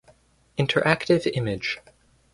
Interactive image.